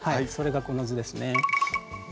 それがこの図ですね。